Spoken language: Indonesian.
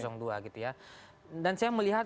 dua gitu ya dan saya melihat